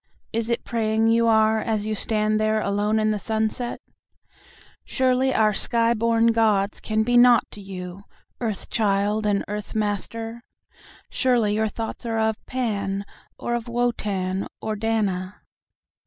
"Is it praying you are as you stand there alone in the sunset?"Surely our sky born gods can be naught to you, earth child and earth master?"Surely your thoughts are of Pan, or of Wotan, or Dana?